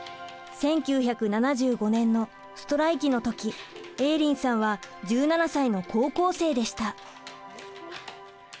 １９７５年のストライキの時エーリンさんは１７歳の高校生でした。